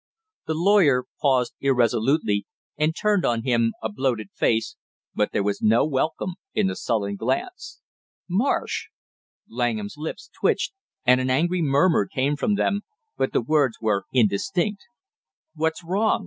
The lawyer paused irresolutely and turned on him a bloated face, but there was no welcome in the sullen glance. "Marsh " Langham's lips twitched and an angry murmur came from them, but the words were indistinct. "What's wrong?"